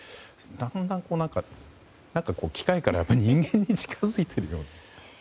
だんだん、何か機械から人間に近づいているような。